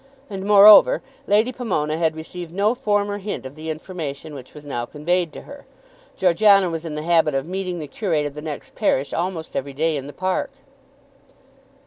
And moreover, Lady Pomona had received no former hint of the information which was now conveyed to her, Georgiana was in the habit of meeting the curate of the next parish almost every day in the park.